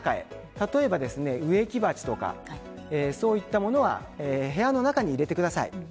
例えば植木鉢とかそういったものは部屋の中に入れてください。